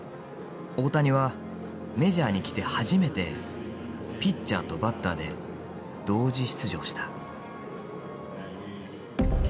大谷はメジャーに来て初めてピッチャーとバッターで同時出場した。